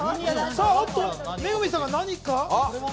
あっと、恵さんが何か？